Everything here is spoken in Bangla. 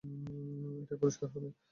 এটাই পুরষ্কার হবে।